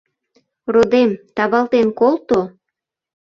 Родем, тавалтен колто.